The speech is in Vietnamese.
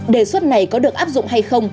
đề xuất này có được áp dụng hay không